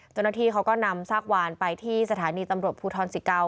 เจ้าหน้าที่เขาก็นำซากวานไปที่สถานีตำรวจภูทรสิเกา